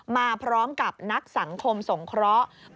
มาพร้อมกับนักสังคมสงเคราะห์